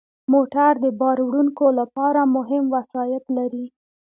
موټر د بار وړونکو لپاره مهم وسایط لري.